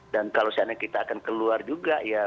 dan kalau seandainya kita akan keluar juga ya